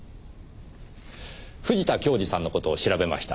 藤田恭二さんの事を調べました。